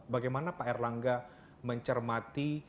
bagaimana pak erlangga mencermati